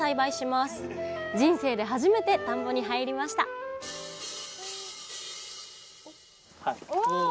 人生で初めて田んぼに入りましたおっ！